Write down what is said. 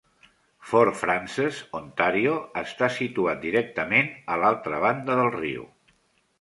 Fort Frances, Ontario, està situat directament a l'altra banda del riu.